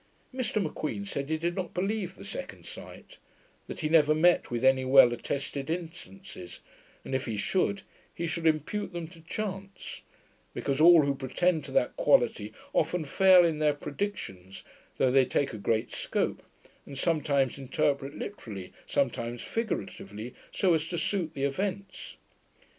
Mr M'Queen said he did not believe in second sight; that he never met with any well attested instances; and if he should, he should impute them to chance; because all who pretend to that quality often fail in their predictions, though they take a great scope, and sometimes interpret literally, sometimes figuratively, so as to suit the events.